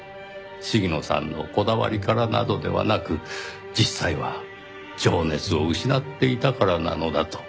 鴫野さんのこだわりからなどではなく実際は情熱を失っていたからなのだと。